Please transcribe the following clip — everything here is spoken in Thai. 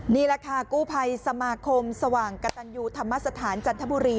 นี่แหละค่ะกู้ภัยสมาคมสว่างกระตันยูธรรมสถานจันทบุรี